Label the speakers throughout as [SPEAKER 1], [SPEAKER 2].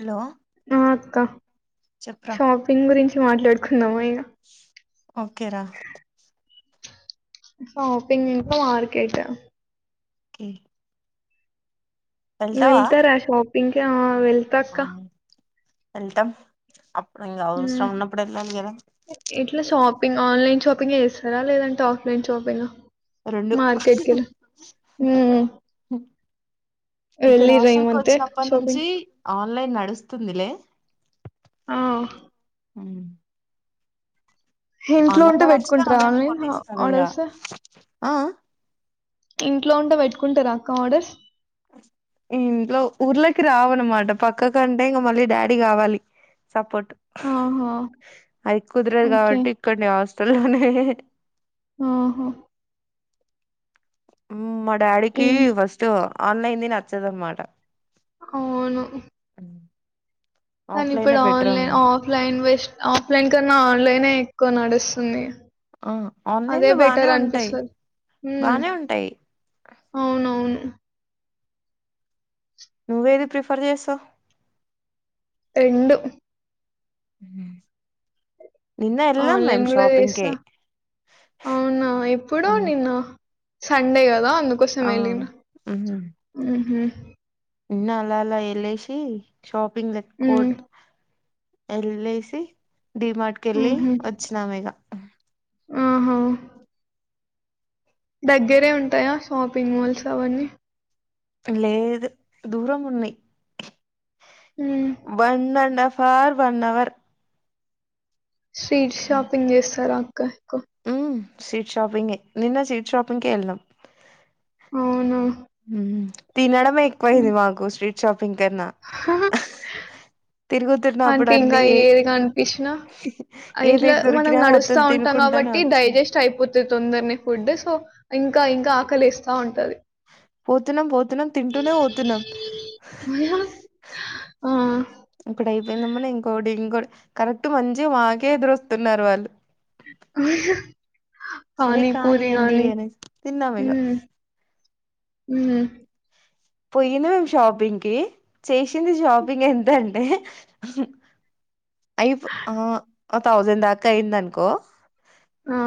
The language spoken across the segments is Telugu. [SPEAKER 1] హలో
[SPEAKER 2] ఆ అక్క
[SPEAKER 1] చెప్పురా
[SPEAKER 2] షాపింగ్ గురించి మాట్లాడుకుందాం మా ఇగా
[SPEAKER 1] ఓకే రా
[SPEAKER 2] షాపింగ్ ఇంకా మార్కెట్
[SPEAKER 1] హు
[SPEAKER 2] వెళ్తా రా షాప్ పింక ఆ వెళ్తా అక్క
[SPEAKER 1] ఎల్తమ్ అ
[SPEAKER 2] ఉ ఎట్లా షాపింగ్ ఆన్లైన్ షాపింగ్ చేస్తారా లేదంటే టే ఆఫ్లైన్ షాపెన
[SPEAKER 1] రెండు
[SPEAKER 2] మార్కెట్ కేల
[SPEAKER 1] ఇక్కడ హాస్టల్ కు వచ్చినప్పటి
[SPEAKER 2] షాపింగ్
[SPEAKER 1] నుంచి ఆన్లైన్ నడుస్తుందిలే
[SPEAKER 2] ఆ
[SPEAKER 1] ఉ
[SPEAKER 2] ఇంట్లో
[SPEAKER 1] ఆన్లైన్
[SPEAKER 2] ఉంటే
[SPEAKER 1] లో నచ్చితే
[SPEAKER 2] పెట్టుకుంటారా
[SPEAKER 1] ఆన్లైన్ కొనిస్తారు ఇక
[SPEAKER 2] ఆర్డర్స్
[SPEAKER 1] ఆ ఆ
[SPEAKER 2] ఇంట్లో ఉంటే పెట్టుకుంటరా అక్క ఆర్డర్స్
[SPEAKER 1] ఇంట్లో ఊర్లకి రావన్నమాట పక్క కంటే ఇంకా మళ్ళీ డాడీ కావాలి సపోర్ట్
[SPEAKER 2] ఆహా
[SPEAKER 1] అది కుదరదు
[SPEAKER 2] ఓకే
[SPEAKER 1] కాబట్టి ఇక్కడనె హస్ట్ నే
[SPEAKER 2] ఆహో
[SPEAKER 1] మా డాడీకి
[SPEAKER 2] ఏం
[SPEAKER 1] ఫస్ట్ ఆన్లైన్ది నచ్చదు అన్నమాట
[SPEAKER 2] అవును కానీ
[SPEAKER 1] ఆఫ్లైనే
[SPEAKER 2] ఇప్పుడు
[SPEAKER 1] బెటర్ అన్
[SPEAKER 2] ఆన్లైన్ ఆఫ్లైన్ వెస్ట్ ఆఫ్లైన్ కన్నా ఆన్లైన్ క్కువ నడుస్తుంది
[SPEAKER 1] ఆ
[SPEAKER 2] అదే
[SPEAKER 1] ఆన్లైన్లో బానే
[SPEAKER 2] బెటర్
[SPEAKER 1] ఉంటాయి
[SPEAKER 2] అనిపిస్తుందిహు
[SPEAKER 1] బానే ఉంటాయి
[SPEAKER 2] అవునవును
[SPEAKER 1] నువ్వేది ప్రిఫర్ చేసావు
[SPEAKER 2] రెండు
[SPEAKER 1] హు
[SPEAKER 2] ఆన్లైన్ కూడా చేస్తా అవునా ఇప్పుడు నిన్న సండే కదా అందుకోసం
[SPEAKER 1] ఆ
[SPEAKER 2] వెళ్ళిరా
[SPEAKER 1] ఉహు నిన్న అలా అలా వెళ్ళసి షాప్ పింగ్
[SPEAKER 2] ఉమ్
[SPEAKER 1] కోట్ ఎల్ఐసి డిమార్ట్ కి వెళ్ళి వచ్చినాం ఇగ
[SPEAKER 2] ఆహో దగ్గరే ఉంటాయా షాపింగ్ మాల్స్ అవన్నీ
[SPEAKER 1] లేదు దూరం ఉన్నాయి
[SPEAKER 2] ఉమ్
[SPEAKER 1] one and half for one hour
[SPEAKER 2] sweet shopping చేస్తారా [unintelligible]
[SPEAKER 1] స్వీట్ షాపింగె నిన్న స్వీట్ షాపింగ్ కె వెళ్ళినం
[SPEAKER 2] అవున
[SPEAKER 1] హు తినడం ఎక్కువ అయింది మాకు స్వీట్ షాపింగ్ కన్నా తిరుగుతున్నప్పుడు
[SPEAKER 2] అంటే ఇంక
[SPEAKER 1] అన్ని ఏ
[SPEAKER 2] ఏది కనిపించినా ఇట్లా
[SPEAKER 1] ఏవేవి
[SPEAKER 2] మనం
[SPEAKER 1] దొరికినాయో మొత్తం
[SPEAKER 2] నడుస్తా ఉంటాం
[SPEAKER 1] తినుకుంటానే
[SPEAKER 2] కాబట్టి
[SPEAKER 1] వచ్చాం
[SPEAKER 2] డైజెస్ట్ అయిపోతది తొందరనే ఫుడ్ సో ఇంకా ఇంకా ఆకలి ఏస్తా ఉంటది
[SPEAKER 1] పోతున్నాం పోతున్నాం తింటూనే పోతున్నాం
[SPEAKER 2] ఆ!
[SPEAKER 1] ఇక్కడ అయిపోయిందమ్మటనే ఇంకోటి ఇంకో కరెక్ట్ మంచి గా మాకే దొరుకుతూన్నారు వాళ్ళు
[SPEAKER 2] హహహ
[SPEAKER 1] సరే కానీయండి ఏదైతే తిన్నాము ఇగ
[SPEAKER 2] ఊ
[SPEAKER 1] పోయినం షాపింగ్ కి చేసింది షాపింగ్ ఎంతంటే ఐపు ఆ ఆ థౌండ్ దాకా అయిందనుకో
[SPEAKER 2] ఆ!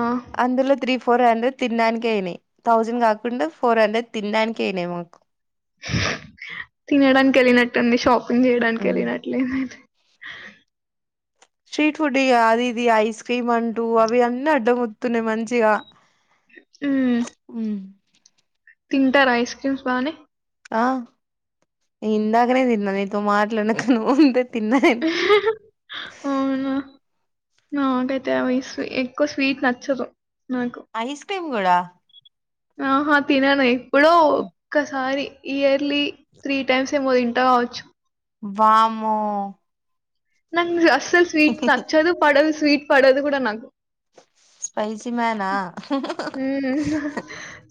[SPEAKER 1] అందులో త్రి ఫోర్ హండ్రెడ్ తినడానికె అయినాయి థౌజండ్ కాకుండా ఫోర్ హండ్రెడ్ తినడానికే అయినాయి మాకు
[SPEAKER 2] తినడానికి వెళ్ళినట్టుంది షాప్ ంగ్ చేయడానికి వెళ్లినట్ లేదండి [unintelligible]
[SPEAKER 1] స్ట్రీట్ ఫుడ్ ఇగ అది ఇది ఐస్ క్రీమ్ అంటూ అవి అన్నీ అడ్డంముత్తున్నాయి మంచిగా
[SPEAKER 2] హ్మ్.
[SPEAKER 1] హ్మ్
[SPEAKER 2] తింటారా ఐస్ క్రీమ్స్ బానే
[SPEAKER 1] ఆ నేన్ ఇందాకనే తిన్న నీతో మాట్లానకన ముందే తిన్నా నేను
[SPEAKER 2] అవునా నో అంటే తావ్ఐస్ ఎక్కువ స్వీట్ నచ్చదు నాకు
[SPEAKER 1] ఐస్ క్రీమ్ గూడ
[SPEAKER 2] ఆహా తినను ఎప్పుడో ఒక్కసారి ఇయర్లీ త్రీ టైమ్స్ ఏమో తింట కావచ్చు
[SPEAKER 1] వామ్మో
[SPEAKER 2] నంగ్ జాస్ సల్ స్వీట్స్ నచ్చదు పడల్ స్ స్వీట్ పడదు కూడా నాక్
[SPEAKER 1] స్పైసీ మేనా
[SPEAKER 2] హుమ్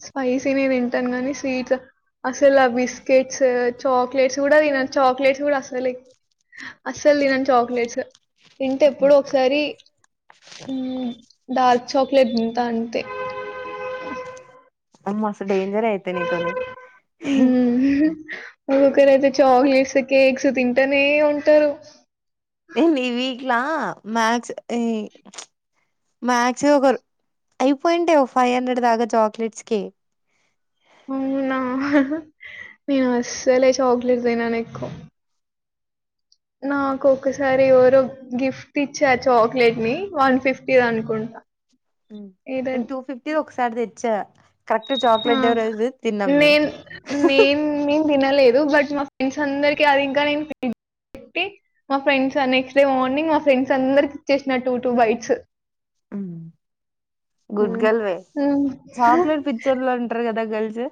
[SPEAKER 2] స్పై తే నిన్ తింటాను గాని స్వీట్స్ అసలు ఆ బిస్కెట్స్ చాక్లెట్స్ కూడా తినను చాక్లెట్స్ కూడా అసలు అస్సలు తినను చాక్లెట్స్ ఇంటే ఎప్పుడో ఒకసారి డార్క్ చాక్లెట్ తాన్ తే
[SPEAKER 1] అమ్మా సత్ డేంజర్ అయితే నీతోని
[SPEAKER 2] ఇంగోకరైతే అయితే చాక్లెట్స్ కేక్స్ తింటనే ఉంటారు
[SPEAKER 1] నేన్ ఈ వీక్లా మాక్స్ ఇ మాక్స్ ఒకరు అయిపోయింటాయి ఒక ఫైవ్ హండ్రెడ్ దాకా చాక్లెట్స్ కే
[SPEAKER 2] అవునా నేను అస్సలే చాక్లెట్ తినను ఎక్కువ నాకు ఒకసారి ఎవరో గిఫ్ట్ ఇచ్చార్ చాక్లెట్ ని వన్ ఫిఫ్టీది అనుకుంటా ఏదో
[SPEAKER 1] నేన్ టూ ఫిఫ్టీ ది ఒకసారి తే చ్చా
[SPEAKER 2] ఆ నేన్ నేన్ న దిన లేదు బట్ మా ఫ్రెండ్స్ అందరికి అది ఇంక నేన్ ఫ లా పెట్టి మా ఫ్రెండ్స్ నెక్స్ట్ డే మార్నింగ్ మా ఫ్రెండ్స్ అందరికి ఇచ్చేసిన టూ టూ బైట్స్
[SPEAKER 1] గుడ్ గల్వే చాక్లేట్ పి చ్చోల్ంటర్ గద గర్ల్స్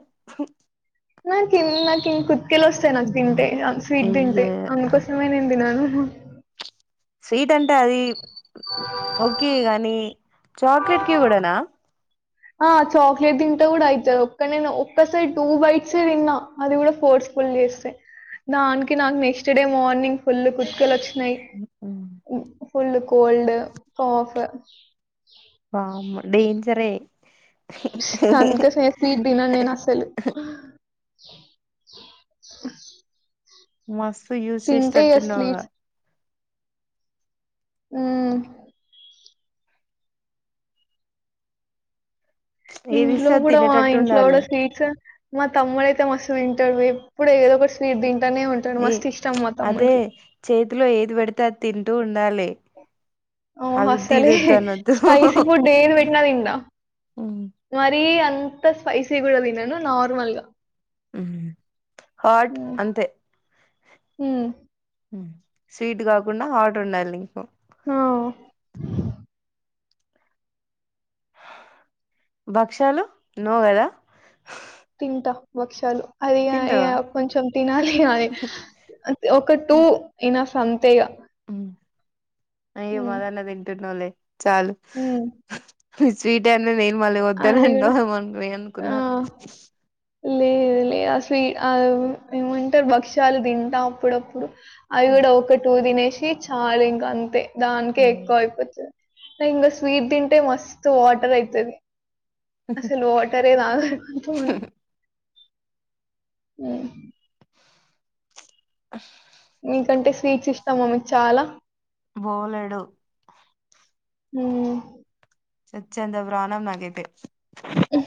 [SPEAKER 2] నా కన్నాకిి కు వస్తాయి నాకు తింటే స్వీట్ తింటే
[SPEAKER 1] అయ్యో
[SPEAKER 2] అందుకోసమే నేను తిన్నాను [unintelligible]
[SPEAKER 1] స్వీట్ అంటే అంటే అది ఓకే కాగాని చాక్లెట్ కి కూడానా
[SPEAKER 2] ఆ చాక్లెట్ తింటే కూడా అవుతంది ఒక్క నేను ఒక్కసారి టూ బైట్స్ ఎ తిన్నా అది కూడా ఫోర్స్ ఫుల్ చేస్తాయి దానికి నాకు నెక్స్ట్ డే మార్నింగ్ ఫుల్ కుర్తుకెళ వచ్చి [unintelligible] ఫుల్ కోల్డ్ కాఫ్
[SPEAKER 1] ఆ డేంజర్ ఏ
[SPEAKER 2] అందుకే [unintelligible] తినను నేను అసలు
[SPEAKER 1] మస్ [unintelligible] యూస్
[SPEAKER 2] తింటే ఇగ
[SPEAKER 1] చేసేటట్టున్నావా
[SPEAKER 2] స్వీట్స్ మ్మ్
[SPEAKER 1] ఏది
[SPEAKER 2] ఇంట్లో
[SPEAKER 1] ఇస్తే అది
[SPEAKER 2] కూడా మా
[SPEAKER 1] తినేటట్టు
[SPEAKER 2] ఇంట్లో కూడా
[SPEAKER 1] ఉండాలి
[SPEAKER 2] స్వీట్స్ మా తమ్ముడు అయితే మస్తు తింటారు ఎప్పుడు ఏదో ఒక్కటి స్వీట్ తింట
[SPEAKER 1] [unintelligible] అదే చేతిలో ఏది పెడతే తి [unintelligible]
[SPEAKER 2] ఓ అసలే
[SPEAKER 1] ఇదొద్దు అనొద్దు
[SPEAKER 2] స్పైసీ ఫుడ్ ఏది పెట్టినా తింట మరి అ అంత స్పైసీ కూడా తన్నాను నార్మల్గా
[SPEAKER 1] హార్ట్ అంతే
[SPEAKER 2] హామ్
[SPEAKER 1] స్వీట్ కాకుండా హాట్ ఉండాలి
[SPEAKER 2] ఆ
[SPEAKER 1] భక్షాలు నో గదా
[SPEAKER 2] తింటా భక్షాలు అది
[SPEAKER 1] తింటావా
[SPEAKER 2] కొంచెం తినాలి ఆది ఒక టూ ఇన్ఫ్ సంతేగా
[SPEAKER 1] అ అయ్య [unintelligible] తింటునవ్లే చాలు
[SPEAKER 2] హ్మ్.
[SPEAKER 1] స్వీట్యి [unintelligible] మళ్ళీ
[SPEAKER 2] అది
[SPEAKER 1] వద్దానంటా
[SPEAKER 2] కూడా
[SPEAKER 1] ఏమనుకు
[SPEAKER 2] ఆ!
[SPEAKER 1] అనుకున్నా
[SPEAKER 2] లేదు లేదు అసలు ఏమంటారు భక్ష్యాలు తింటా అప్పుడప్పుడు అవిడ ఒక టుూ తినే సి చలింక అంతే దానికే ఎక్కో అయిపోతది. ఇంకా స్వీట్ తింటే మస్త్ వాటర్ అయితది. అసల్ వాటరే తగకుంటే మ్
[SPEAKER 1] చు
[SPEAKER 2] మీకంటే స్వీట్స్ ఇష్టమా మీకు చాలా
[SPEAKER 1] బోలెడు.
[SPEAKER 2] హ్మ్
[SPEAKER 1] చచ్చేంత ప్రాణం నాకైయితే
[SPEAKER 2] అ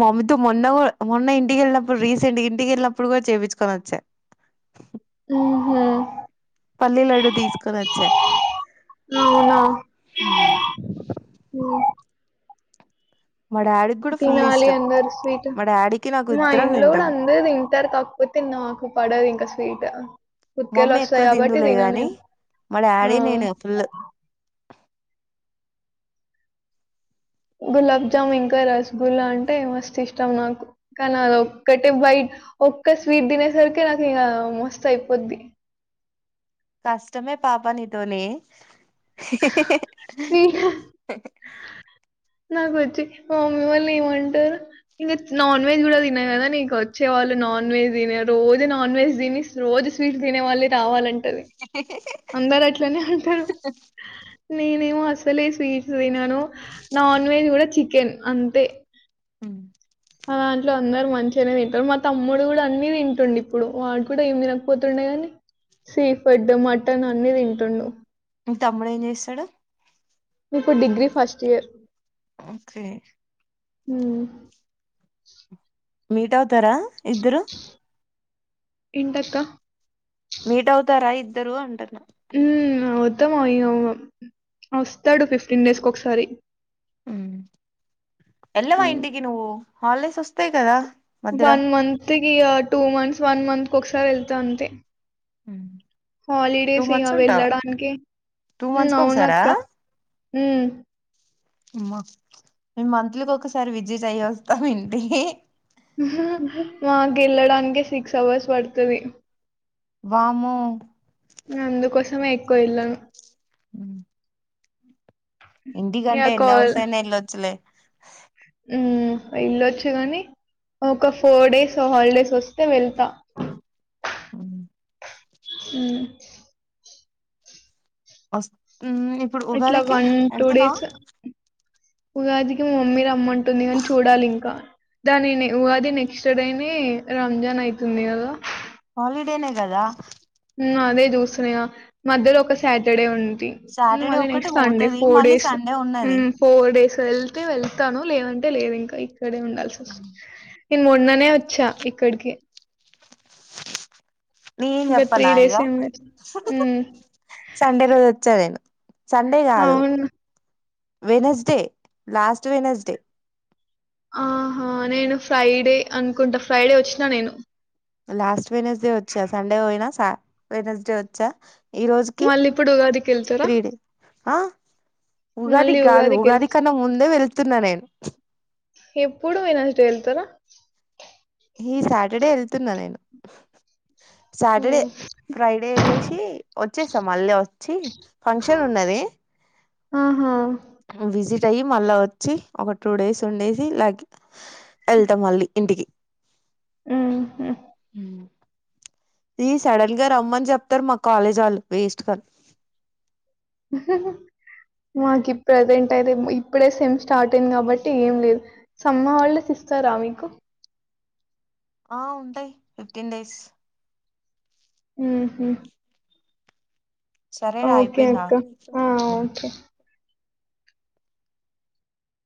[SPEAKER 1] మమ్మీతో మొన్న గు మొన్న ఇంటికెళ్ళినప్పుడు రీసెంట్ ఇంటికెళ్ళినప్పుడు కూడా చూపించుకొని వచ్చా
[SPEAKER 2] మ్ హ్
[SPEAKER 1] పల్లీలడ్డు తీసుకొని వచ్చా
[SPEAKER 2] అవునా ఓ
[SPEAKER 1] మా డాడీకి కూడా ఫుల్
[SPEAKER 2] తినాలి
[SPEAKER 1] ఇష్టం
[SPEAKER 2] అందరు స్వీట్
[SPEAKER 1] మా డాడీకి నాకు
[SPEAKER 2] మా
[SPEAKER 1] ఇద్దరం
[SPEAKER 2] ఇంట్లో కూడా
[SPEAKER 1] తింటాం
[SPEAKER 2] అందరు తింటారు కాకపోతే నాకు పడది స్వీట్
[SPEAKER 1] మమ్మీ ఎక్కువ
[SPEAKER 2] ఉతికేలొస్తాయి కాబట్టి
[SPEAKER 1] దిందులే
[SPEAKER 2] తిన
[SPEAKER 1] గాని
[SPEAKER 2] నేను.
[SPEAKER 1] మా
[SPEAKER 2] ఆ!
[SPEAKER 1] డాడీ నేను ఫుల్
[SPEAKER 2] గులాబ్జామ్ ఇంకా రస్గుల్లా అంటే మస్త్ ఇష్టం నాకు కానీ అది ఒక్కటే బైట్ ఒక్క స్వీట్ తినేసరికె నాకు ఇంక మస్తు అయిపోద్ది
[SPEAKER 1] కష్టమే పాప నీతోని
[SPEAKER 2] స్వీట్
[SPEAKER 1] [unintelligible]
[SPEAKER 2] నాకొచ్చి మా మమ్మీ వాళ్ళు ఏమంటారు నాన్ వెజ్ గుడ తి తిన కదా నీకు వచ్చే వాళ్ళు నాన్ వెజ్ తిన రోజు నాన్ వెజ్ తిని రోజు స్వీట్స్ తినే వాళ్ళే రావాలం టది అందరు అట్లనే అంటారు నేనేమో అసలే స్వీట్లు తినను. నాన్ వెజ్ గుడ చికెన్ అంతే
[SPEAKER 1] హ్
[SPEAKER 2] మా దాంట్లో అందరు మంచిగానె తింటరు. మా తమ్ముడు గుడా అన్ని తింటుండు ఇప్పుడు వాడ్ కూడ ఏం తినకపోతుండె గని ఫుడ్ మటన్ అన్ని తింటుండు.
[SPEAKER 1] మీ తమ్ముడు ఏం చేస్తాడు.
[SPEAKER 2] ఇప్పుడ్ డిగ్రీ ఫస్ట్ ఇయర్
[SPEAKER 1] ఓకే
[SPEAKER 2] హ్
[SPEAKER 1] మీట్ అవు తరా ఇద్దరు
[SPEAKER 2] ఏంటక్కా
[SPEAKER 1] మీట్ అవుతార ఇద్దరు అంటన్న
[SPEAKER 2] హ్మ్ అవుతాం అయి వస్తాడు ఫిఫ్టీన్ డేస్కి ఒకసారి
[SPEAKER 1] మ్మ్ ఎల్లవా
[SPEAKER 2] ఉమ్.
[SPEAKER 1] ఇంటికి నువ్వు హాలిడేస్ వస్తాయి కదా మధ్యల
[SPEAKER 2] వన్ మంతిక్ ఇగ టూ మంత్స్ వన్ మంత్ కొకసారి వెళ్తా అంతె
[SPEAKER 1] టూ
[SPEAKER 2] హాలిడేస్ ఇగ
[SPEAKER 1] మంత్స్ ఉంటావా
[SPEAKER 2] వెళ్ళడానికె
[SPEAKER 1] టూ
[SPEAKER 2] మ్మ్
[SPEAKER 1] మంత్స్ కి ఒకసారా
[SPEAKER 2] అవునక్క మ్మ్
[SPEAKER 1] అమ్మ మేము మంత్లీ కొకసారి విజిట్ అయ్యి వస్తాం ఇంటికి
[SPEAKER 2] మాక్ ఎళ్ళడానికే స సిక్స్ అవర్స్ పడతది
[SPEAKER 1] వామ్మో
[SPEAKER 2] అందుకోసమే ఎక్కువ ఎళ్ళను
[SPEAKER 1] మ్మ్ ఇంటి
[SPEAKER 2] ఇక
[SPEAKER 1] కంటే ఎన్ని అవర్స్ అయిన ఎళ్ళొచ్చులే
[SPEAKER 2] మ్మ్ వెల్లొచ్చుగాని ఒక ఫోర్ డేస్ హాలిడేస్ వస్తే వెళ్తా మ్మ్
[SPEAKER 1] వస్ మ్మ్ ఇప్పుడు
[SPEAKER 2] ఇట్ల
[SPEAKER 1] ఉగాదికి
[SPEAKER 2] వన్ టూ
[SPEAKER 1] ఎళ్తున్నావా
[SPEAKER 2] డేస్ ఉగాదికి మా మమ్మీ రమ్మంటుంది గాని చూడాలి ఇంకా దాని ఉగాది నెక్స్ట్ డేనే రంజాన్ అయితుంది గదా
[SPEAKER 1] డే నే గదా
[SPEAKER 2] మ్మ్ అదే జూస్తున్నా ఇగ మధ్యలో ఒక సాటర్డే ఉంది ది
[SPEAKER 1] సాటర్డే
[SPEAKER 2] మళ్ళీ
[SPEAKER 1] ఒక్కటి
[SPEAKER 2] నెక్స్ట్ సండే
[SPEAKER 1] పోతది
[SPEAKER 2] ఫోర్
[SPEAKER 1] మళ్ళీ
[SPEAKER 2] డేస్
[SPEAKER 1] సండే ఉన్నది
[SPEAKER 2] మ్మ్ ఫోర్ డేస్ వెళ్తే వెళ్త తను లేదంటే లేదు ఇంకా ఇక్కడే ఉండాల్సి వస్తది నేన్ మొన్ననే వచ్చా ఇక్కడికి
[SPEAKER 1] నేన్
[SPEAKER 2] ఇంకా త్రీ
[SPEAKER 1] జెప్పన్నా ఇగ,
[SPEAKER 2] డేస్ ఏమి ఉమ్,
[SPEAKER 1] సండే రోజు వచ్చా నేను సండే గాదు
[SPEAKER 2] అవును
[SPEAKER 1] వెనస్డే లాస్ట్ వెనస్డే
[SPEAKER 2] ఆహా నేను ఫ్రైడే అనుకుంటా ఫ్రైడే వచ్చినా నేను
[SPEAKER 1] లాస్ట్ వెనస్డే వచ్చ సన్డే పోయినా సా వెనస్డే వచ్చా ఈ రోజుకి
[SPEAKER 2] మళ్ళీ ఇప్పుడు ఉగాదికి వెళ్తారా
[SPEAKER 1] త్రీ డే, ఆ ఉగాది
[SPEAKER 2] మళ్ళీ
[SPEAKER 1] గాదు
[SPEAKER 2] ఉగాదికి
[SPEAKER 1] ఉగాది
[SPEAKER 2] వెళ్తా
[SPEAKER 1] కన్నా ముందే వెళ్తు తున్నా నేను
[SPEAKER 2] ఎప్పుడు వెనస్డే వెళ్తరా
[SPEAKER 1] ఈ సాటర్డే ఎళ్తున్నా నేను సాటర్డే
[SPEAKER 2] హ్మ్.
[SPEAKER 1] ఫ్రైడే ఎలేశి వచ్చేస్తా మళ్ళీ వచ్చి ఫంక్షన్ ఉన్నది
[SPEAKER 2] ఆహా
[SPEAKER 1] విజిట్ అయి మళ్ళా వచ్చి ఒక టూ డేస్ ఉండేసి లాగే ఎళ్తా మళ్ళీ ఇంటికి
[SPEAKER 2] హుహు.
[SPEAKER 1] మ్ ఈ సడన్ గా రమ్మని జెప్తరు మా కాలేజ్ వాళ్ళు వేస్ట్
[SPEAKER 2] మాకు ఈ ప్రజెంట్ అయితే ఇప్పుడే సేమ్ స్టార్ట్ అయింది కాబట్టి ఏం లేదు సమ్మర్ హాలిడేస్ ఇస్తరా మీకు
[SPEAKER 1] ఆ ఉంటయి ఫిఫ్టీన్ డేస్
[SPEAKER 2] మ్ హు
[SPEAKER 1] సరేరా
[SPEAKER 2] ఓకే
[SPEAKER 1] అయిపోయిందా
[SPEAKER 2] అక్క ఆ ఓకే